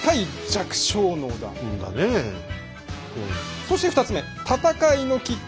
そして２つ目。